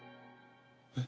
えっ？